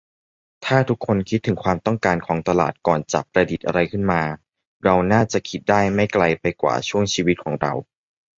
ถ้าทุกคนคิดถึงความต้องการของตลาดก่อนจะประดิษฐ์อะไรขึ้นมา เราน่าจะคิดได้ไม่ไกลไปกว่าช่วงชีวิตของเรา